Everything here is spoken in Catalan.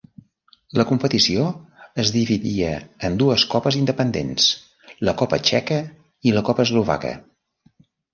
La competició es dividia en dues copes independents: la copa txeca i la copa eslovaca.